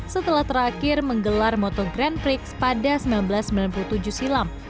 setelah terakhir menggelar moto grand prix pada seribu sembilan ratus sembilan puluh tujuh silam